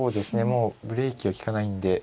もうブレーキは利かないんで。